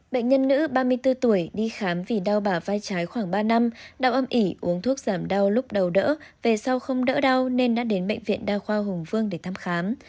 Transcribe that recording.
bệnh nhân nữ ba mươi bốn tuổi đi khám vì đau bả vai trái khoảng ba năm đau âm ỉ uống thuốc giảm đau lúc đầu đỡ về sau không đỡ đau nên đã đến bệnh viện đa khoa hùng vương để thăm khám